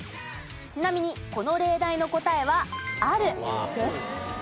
ちなみにこの例題の答えはあるです。